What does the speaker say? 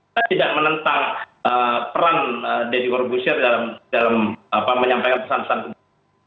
saya tidak menentang peran deddy korbusir dalam menyampaikan pesan pesan tersebut